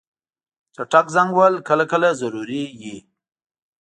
چټک زنګ وهل کله کله ضروري وي.